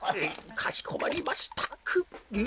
かしこまりました。